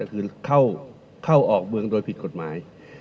คือเข้าออกเมืองโดยผิดกฎหมาย